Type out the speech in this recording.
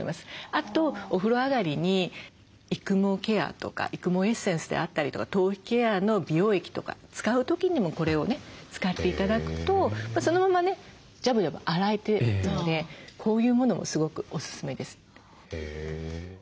あとお風呂上がりに育毛ケアとか育毛エッセンスであったりとか頭皮ケアの美容液とか使う時にもこれをね使って頂くとそのままねジャブジャブ洗えるのでこういうものもすごくおすすめです。